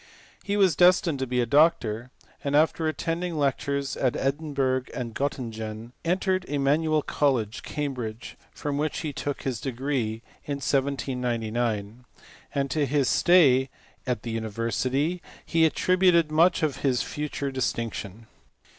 He was destined to be a doctor, and after attending lectures at Edinburgh and Gottingen entered at Emmanuel College, Cambridge, from which he took his degree in 1799 ; and to his stay at the university he attributed much of his future distinction.